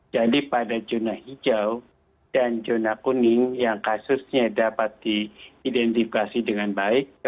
pada zona hijau dan zona kuning yang kasusnya dapat diidentifikasi dengan baik